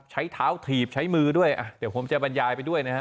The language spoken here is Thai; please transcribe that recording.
ใช้เท้าถีบใช้มือด้วยอ่ะเดี๋ยวผมจะบรรยายไปด้วยนะครับ